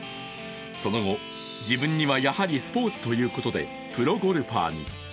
その後、自分にはやはりスポーツということで、プロゴルファーに。